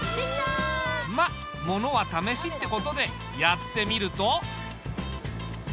まあ物は試しってことでやってみると。